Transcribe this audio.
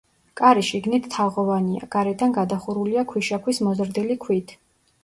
კარი შიგნით თაღოვანია, გარედან გადახურულია ქვიშაქვის მოზრდილი ქვით.